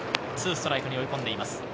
２ストライクに追い込んでいます。